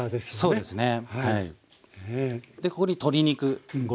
そうですね。